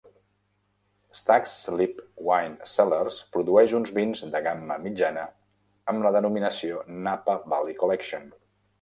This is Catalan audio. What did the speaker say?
Stag's Leap Wine Cellars produeix uns vins de gamma mitjana amb la denominació "Napa Valley Collection".